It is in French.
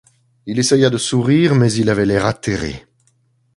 Il essaya de sourire, mais il avait l’air atterré.